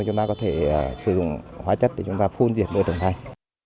chúng ta có thể sử dụng hóa chất để chúng ta phun diệt môi trường thành